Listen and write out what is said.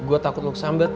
eh gue takut lo kesambet